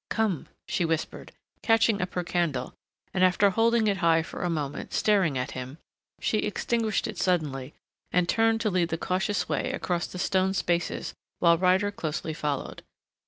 "Come," she whispered, catching up her candle, and after holding it high for a moment, staring at him, she extinguished it suddenly, and turned to lead the cautious way across the stone spaces while Ryder closely followed.